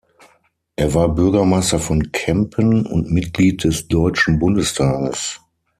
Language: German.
Er war Bürgermeister von Kempen und Mitglied des Deutschen Bundestages.